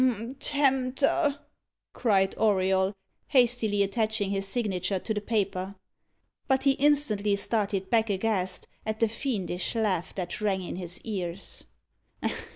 "Tempter!" cried Auriol, hastily attaching his signature to the paper. But he instantly started back aghast at the fiendish laugh that rang in his ears.